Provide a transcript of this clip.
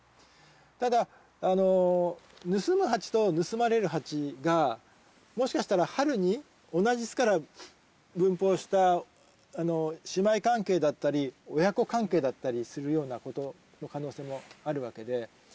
ただ盗むハチと盗まれるハチがもしかしたら春に同じ巣から分蜂した姉妹関係だったり親子関係だったりするようなことの可能性もあるわけで。